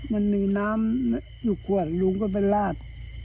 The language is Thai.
มันมีน้ำอยู่ขวดลุงก็ไปลาด